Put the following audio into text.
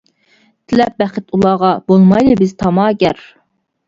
تىلەپ بەخت ئۇلارغا، بولمايلى بىز تاماگەر.